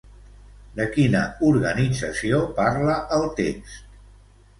De quina organització parla el text?